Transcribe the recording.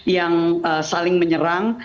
yang saling menyerang